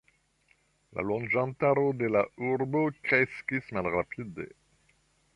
La loĝantaro de la urbo kreskis malrapide.